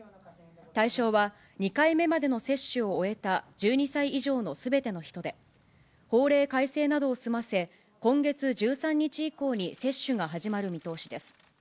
対象は、２回目までの接種を終えた１２歳以上のすべての人で、法令改正などを済ませ、今月１３日以降に接種が始まる見通しです。